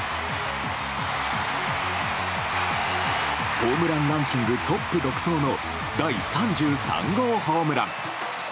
ホームランランキングトップ独走の第３３号ホームラン。